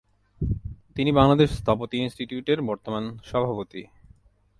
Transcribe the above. তিনি বাংলাদেশ স্থপতি ইনস্টিটিউট-এর বর্তমান সভাপতি।